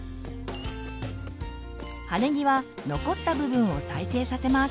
葉ねぎは残った部分を再生させます。